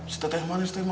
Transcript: si teteh manis